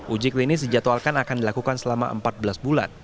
uji klinis dijadwalkan akan dilakukan selama empat belas bulan